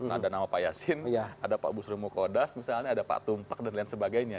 ada nama pak yasin ada pak busril mukodas misalnya ada pak tumpak dan lain sebagainya